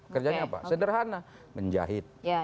kerjanya apa sederhana menjahit